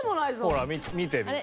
ほら見てる。